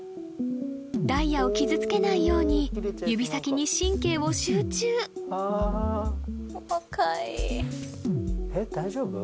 ダイヤを傷つけないように指先に神経を集中えっ大丈夫？